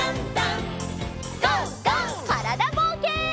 からだぼうけん。